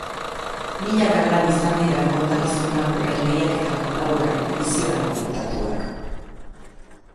Milaka lan izan dira kontakizun laburren lehiaketako laugarren ediziorako hautatuak.